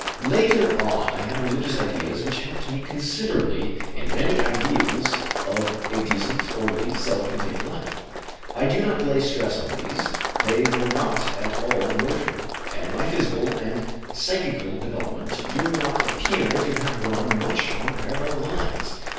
Later on I had religious ideas which helped me considerably in my ideals of a decent, orderly, self contained life. I do not lay stress on these; they were not at all emotional, and my physical and psychical development do not appear to have run much on parallel lines.